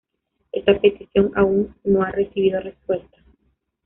Esta petición aún no ha recibido respuesta.